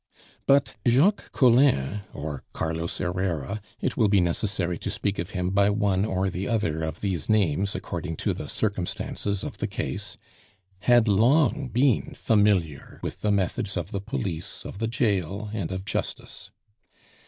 But Jacques Collin, or Carlos Herrera it will be necessary to speak of him by one or the other of these names according to the circumstances of the case had long been familiar with the methods of the police, of the jail, and of justice.